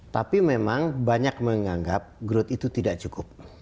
tapi memang banyak menganggap growth itu tidak cukup